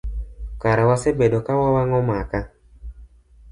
Kara wasebedo kawawang'o maka.